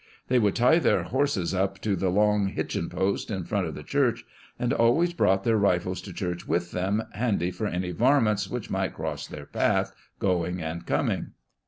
They would tie their horses up to the long "hitchin' post" in front of the church, and always brought their rifles to church with them, handy for any " varmints " which might cross their path going and coming.